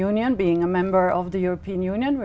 về những vấn đề rất quan trọng